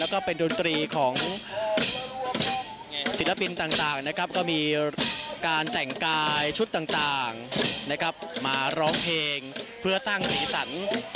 แล้วก็เป็นดนตรีของศิลปินต่างนะครับก็มีการแต่งกายชุดต่างนะครับมาร้องเพลงเพื่อสร้างสีสัน